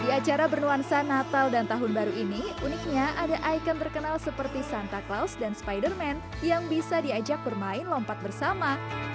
di acara bernuansa natal dan tahun baru ini uniknya ada ikon terkenal seperti santa claus dan spider man yang bisa diajak bermain lompat bersama